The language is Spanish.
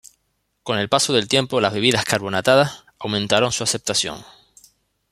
Con el paso del tiempo las bebidas carbonatadas aumentaron su aceptación.